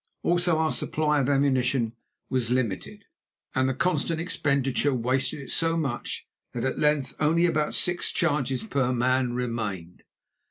Also, our supply of ammunition was limited, and the constant expenditure wasted it so much that at length only about six charges per man remained.